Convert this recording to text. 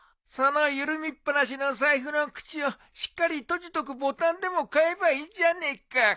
その緩みっぱなしの財布の口をしっかり閉じとくボタンでも買えばいいじゃねえか。